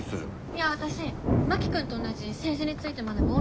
いや私真木君と同じ政治について学ぶ